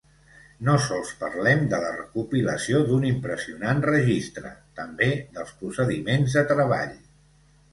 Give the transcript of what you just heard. No sols parlem de la recopilació d'un impressionant registre, també dels procediments de treball.